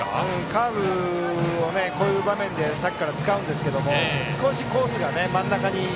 カーブをこういう場面でさっきから使うんですけども少しコースが真ん中に。